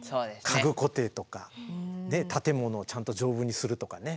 家具固定とか建物をちゃんと丈夫にするとかね。